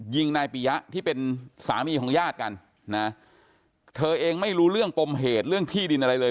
ยิงนายปียะที่เป็นสามีของญาติกันนะเธอเองไม่รู้เรื่องปมเหตุเรื่องที่ดินอะไรเลย